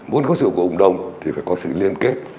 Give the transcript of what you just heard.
muốn có sự ủng hộ của cộng đồng thì phải có sự liên kết